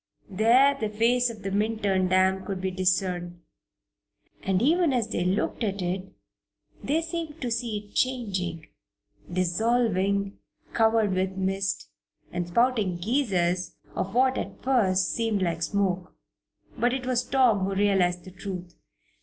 There the face of the Minturn dam could be discerned; and even as they looked at it they seemed to see it changing dissolving, covered with mist, and spouting geysers of what at first seemed like smoke. But it was Tom who realized the truth.